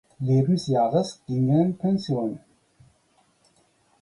Lebensjahres ging er in Pension.